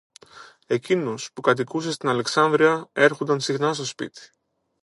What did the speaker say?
Εκείνος, που κατοικούσε στην Αλεξάνδρεια, έρχουνταν συχνά στο σπίτι